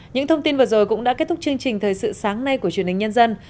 những thông tin vừa rồi cũng đã kết thúc chương trình thời sự sáng nay của truyền hình nhân dân